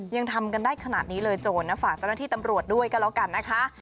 ยังทำกันได้ขนาดนี้เลยโจรนะฝากเจ้าหน้าที่ตำรวจด้วยกันแล้วกันนะคะ